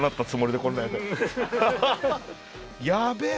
やべえ！